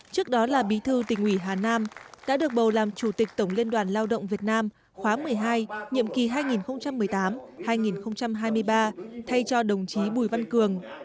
trước đó là bí thư tỉnh ủy hà nam đã được bầu làm chủ tịch tổng liên đoàn lao động việt nam khóa một mươi hai nhiệm kỳ hai nghìn một mươi tám hai nghìn hai mươi ba thay cho đồng chí bùi văn cường